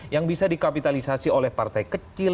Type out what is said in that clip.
yang bisa dikapitalisasi oleh partai kecil